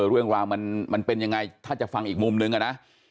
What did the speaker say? เรื่องราวมันเป็นยังไงถ้าจะฟังอีกมุมนึงอะนะ